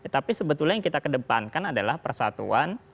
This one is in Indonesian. tapi sebetulnya yang kita kedepankan adalah persatuan